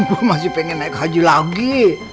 gue masih pengen naik haji lagi